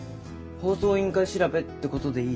放送委員会調べってことでいい？